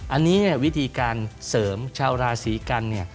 อันนี้วิธีการเสริมชาวราศีกัน